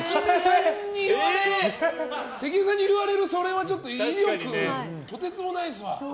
関根さんに言われるそれはちょっと威力がとてつもないですわ。